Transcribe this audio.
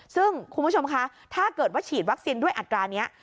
ซึ่งคุณผู้ชมคะถ้าเกิดว่าฉีดวัคซีนด้วยอัตรานี้